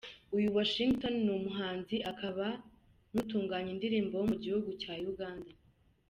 Uyu Washington ni umuhanzi akaba n’utunganya indirimbo wo mu gihugu cya Uganda.